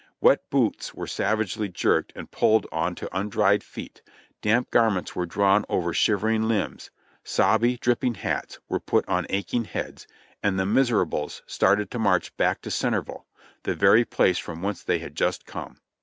Wet boots were savagely jerked and pulled on to undried feet, damp garments were drawn over shiv ering limbs, sobby, dripping hats were put on aching heads, and the "miserables" started to march back to Centerville, the very place from whence they had just come.